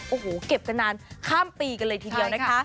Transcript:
โอ้โหเก็บกันนานข้ามปีกันเลยทีเดียวนะคะ